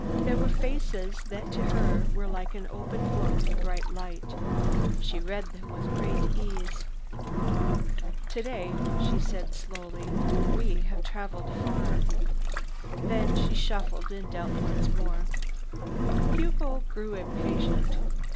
There were faces that to her were like an open book in a bright light. She read them with greatest ease. "Today," she said slowly, "we have traveled far." Then she shuffled and dealt once more. Hugo grew impatient.